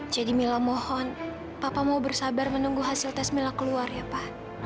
jadi mila mohon papa mau bersabar menunggu hasil tes mila keluar ya pa